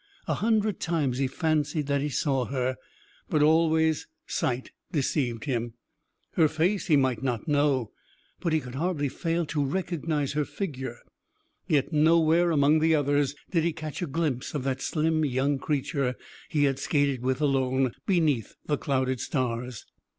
A hundred times he fancied that he saw her, but always sight deceived him. Her face he might not know, but he could hardly fail to recognise her figure. Yet nowhere among the others did he catch a glimpse of that slim young creature he had skated with alone beneath the clouded stars.